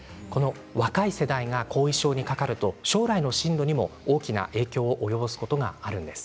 若い世代が後遺症にかかると将来の進路にも大きな影響を及ぼすことがあるんです。